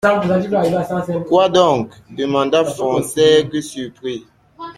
Quoi donc ? demanda Fonsègue surpris.